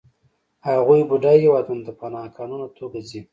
هغوی بډایو هېوادونو ته په ناقانونه توګه ځي.